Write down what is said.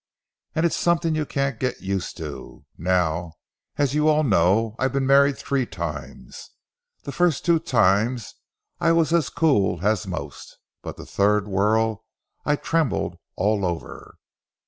And it's something you can't get used to. Now, as you all know, I've been married three times. The first two times I was as cool as most, but the third whirl I trembled all over.